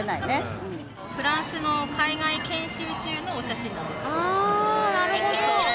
フランスの海外研修中のお写ああ、なるほど。